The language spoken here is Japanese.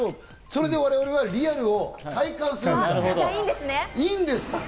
それで我々はリアルを体感するんです。